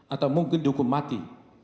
atau mungkin dihukum mati